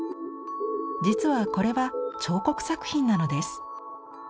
実はこれは彫刻作品なのです。